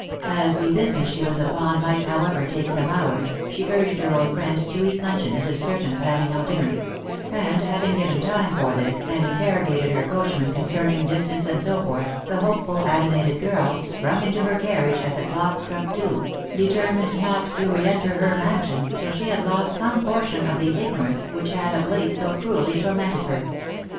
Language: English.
As the business she was upon might, however, take some hours, she urged her old friend to eat luncheon as if certain of having no dinner ; and having given time for this, and interrogated her coachman concerning distance and so forth, the hopeful, animated girl, sprung iuto her carriage as the clock struck two, determined not to re enter her mansion till she had lost some por tion of the ignorance which had of late so cruelly tormented her.